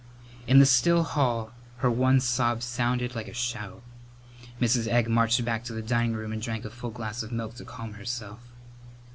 In the still hall her one sob sounded like a shout. Mrs. Egg marched back to the dining room and drank a full glass of milk to calm herself.